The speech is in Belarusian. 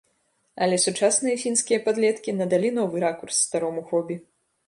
Але сучасныя фінскія падлеткі надалі новы ракурс старому хобі.